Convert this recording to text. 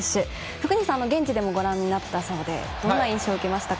福西さんは現地でご覧になったそうでどんな印象を受けましたか。